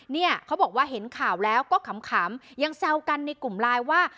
เนี่ยเขาบอกว่าเห็นข่าวแล้วก็ขำยังแซวกันในกลุ่มไลน์ว่า